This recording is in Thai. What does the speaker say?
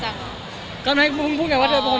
จะทำมนาคุณจริงจังทั้งคู่ก่อน